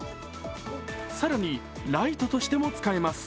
更に、ライトとしても使えます。